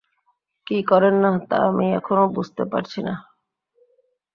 কি করেন না, তা আমি এখনো বুঝতে পারছি না।